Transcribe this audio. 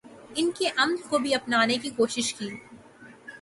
ان کے عمل کو بھی اپنانے کی کوشش کی